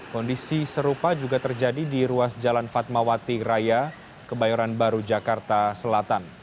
kondisi serupa juga terjadi di ruas jalan fatmawati raya kebayoran baru jakarta selatan